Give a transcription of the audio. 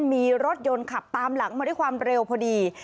มีรถยนต์ขับตามหลังมาด้วยความเร็วพอดี